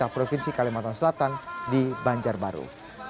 provinsi kalimantan selatan di banjarbaru